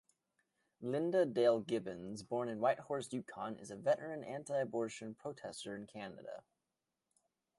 Linda Dale Gibbons, born in Whitehorse, Yukon, is a veteran anti-abortion protester in Canada.